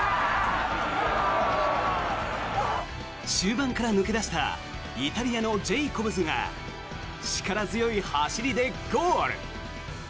終盤から抜け出したイタリアのジェイコブズが力強い走りでゴール。